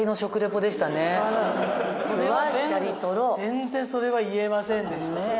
全然それは言えませんでした。